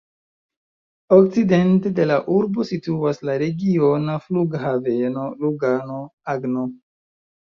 Okcidente de la urbo situas la regiona Flughaveno Lugano-Agno.